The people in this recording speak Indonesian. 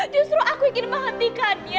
justru aku ingin menghentikannya